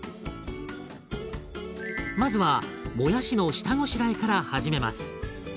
まずはもやしの下ごしらえから始めます。